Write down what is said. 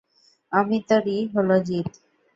অমিতরই হল জিত।